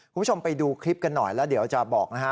คุณผู้ชมไปดูคลิปกันหน่อยแล้วเดี๋ยวจะบอกนะฮะ